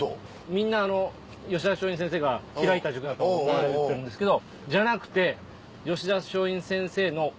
みんな吉田松陰先生が開いた塾だと思われてるんですけどじゃなくて。